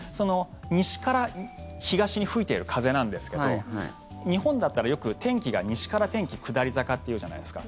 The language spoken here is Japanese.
西から東に吹いている風なんですけど日本だったら、よく天気が西から天気下り坂って言うじゃないですか。